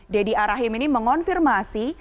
deddy a rahim ini mengonfirmasi